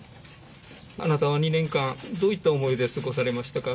あなたは２年間、どういった思いで過ごされましたか？